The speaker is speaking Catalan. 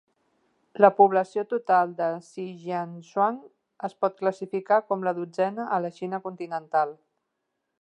La població total de Shijiazhuang es pot classificar com la dotzena a la Xina continental.